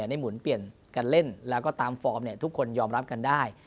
หมุนเปลี่ยนกันเล่นแล้วก็ตามฟอร์มทุกคนยอมรับกันได้